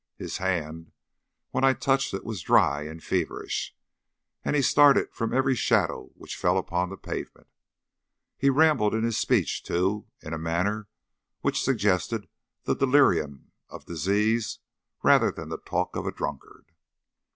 His hand when I touched it was dry and feverish, and he started from every shadow which fell upon the pavement. He rambled in his speech, too, in a manner which suggested the delirium of disease rather than the talk of a drunkard.